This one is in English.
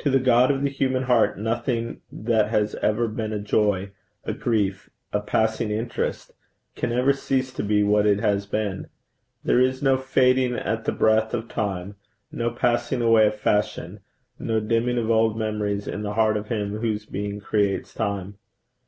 To the God of the human heart nothing that has ever been a joy, a grief, a passing interest, can ever cease to be what it has been; there is no fading at the breath of time, no passing away of fashion, no dimming of old memories in the heart of him whose being creates time.